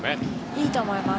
いいと思います。